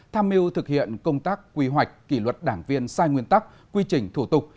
tham mưu thực hiện công tác quy hoạch kỷ luật đảng viên sai nguyên tắc quy trình thủ tục